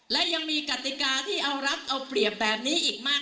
และยังมีกติกาที่เอารัฐเอาเปรียบแบบนี้อีกมาก